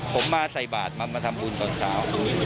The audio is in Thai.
ผมมาใส่บาทมาทำบุญตอนเช้า